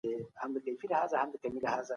د غوږ درد پر وخت ډاکټر ته ولاړ شه